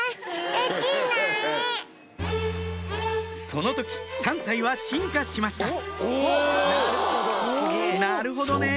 その時３歳は進化しましたなるほどね！